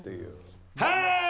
はい！